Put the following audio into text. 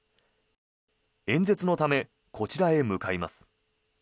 演説のためこちらへ向かいます。